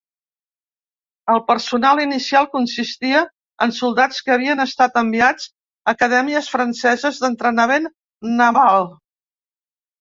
El personal inicial consistia en soldats que havien estat enviats a acadèmies franceses d'entrenament naval.